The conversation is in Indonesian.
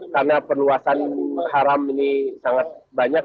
karena penuasan haram ini sangat banyak